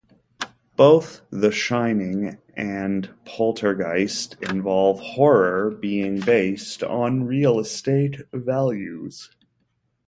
Both "The Shining" and "Poltergeist" involve horror being based on real-estate values.